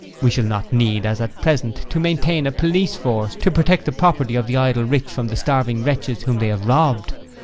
We shall not need as at present, to maintain a police force to protect the property of the idle rich from the starving wretches whom they have robbed.